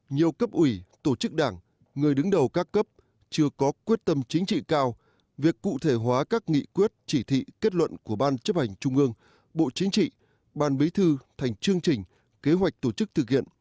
nhiều cấp ủy tổ chức đảng người đứng đầu các cấp chưa có quyết tâm chính trị cao việc cụ thể hóa các nghị quyết chỉ thị kết luận của ban chấp hành trung ương bộ chính trị ban bí thư thành chương trình kế hoạch tổ chức thực hiện